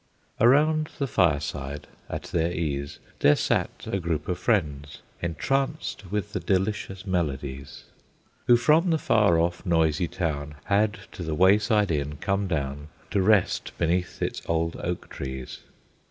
Around the fireside at their ease There sat a group of friends, entranced With the delicious melodies; Who from the far off noisy town Had to the wayside inn come down, To rest beneath its old oak trees.